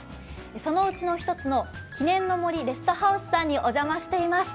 そのうちの一つの記念の森レストハウスさんにお邪魔しています。